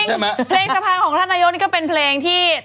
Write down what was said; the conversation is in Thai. จริงเพลงคำภาของท่านนายกนี่ก็เป็นเพลงที่